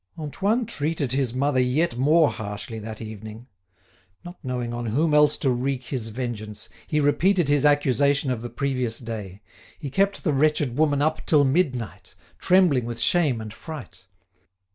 Antoine treated his mother yet more harshly that evening. Not knowing on whom else to wreak his vengeance, he repeated his accusation of the previous day; he kept the wretched woman up till midnight, trembling with shame and fright.